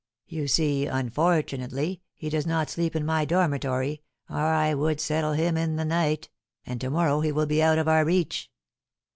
You see, unfortunately, he does not sleep in my dormitory, or I would settle him in the night; and to morrow he will be out of our reach."